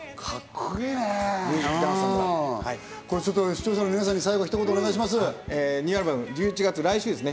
視聴者の皆さんに最後、ひと言お願いします。